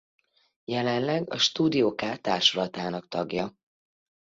Jelenleg a Studio K társulatának tagja.